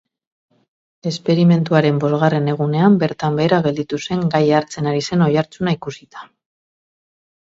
Esperimentuaren bosgarren egunean bertan behera gelditu zen gaia hartzen ari zen oihartzuna ikusita.